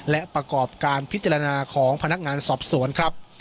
และประกอบการพิจารณาของพนักงานสอบสวนครับ